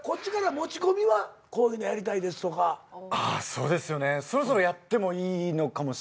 そうですよねそろそろやってもいいのかもしれない。